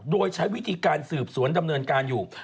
โดยใช้วิธีการสืบสวนดำเนินการอยู่